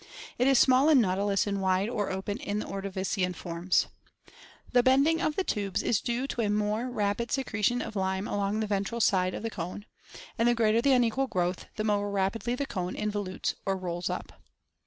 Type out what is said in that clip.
It is small in Nautilus and wide or open in the Ordovirian forms. The bending of the 43° ORGANIC EVOLUTION 1^5 tubes b due to a more rapid secretion of time along the ventral side of the cone, and the greater the unequal growth, the more rapidly the cone involutes or rolls up."